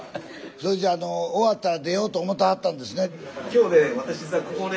それじゃあ終わったら出ようと思てはったんですね。